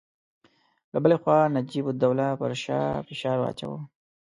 له بلې خوا نجیب الدوله پر شاه فشار اچاوه.